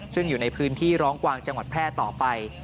ซึ่งอยู่ในพื้นที่ร้องกวางจังหวัดแพร่ต่อไป